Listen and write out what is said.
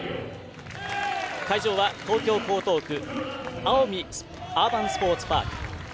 会場は東京・江東区青海アーバンスポーツパーク。